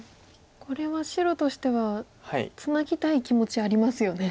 これは白としてはツナぎたい気持ちありますよね。